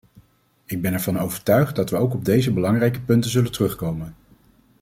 Ik ben ervan overtuigd dat we ook op deze belangrijke punten zullen terugkomen.